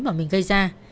mà mình gây ra